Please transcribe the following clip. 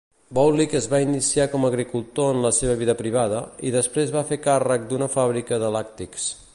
Boulic es va iniciar com a agricultor en la seva vida privada i després va fer càrrec d'una fàbrica de làctics.